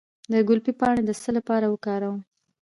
د ګلپي پاڼې د څه لپاره وکاروم؟